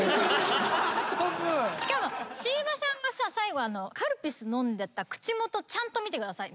しかも椎葉さんがさ最後あのカルピス飲んでた口元ちゃんと見てください。